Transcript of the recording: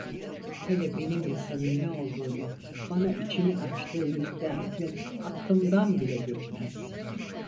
Hele benimle samimi olduğunu, bana içini açtığını iddia etmek aklımdan bile geçmez.